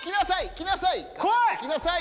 来なさい！